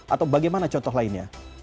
atau bagaimana contoh lainnya